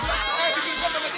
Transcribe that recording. eh bibir gue sama dia